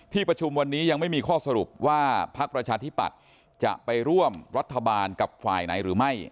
ประชุมวันนี้ยังไม่มีข้อสรุปว่าพักประชาธิปัตย์จะไปร่วมรัฐบาลกับฝ่ายไหนหรือไม่